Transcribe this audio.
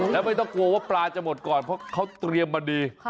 แล้วไม่ต้องกลัวว่าปลาจะหมดก่อนเพราะเขาเตรียมมาดี